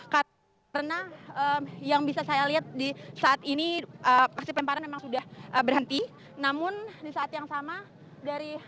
karena yang bisa saya lihat di saat ini pasti pembaran memang sudah berhenti namun di saat yang sama dari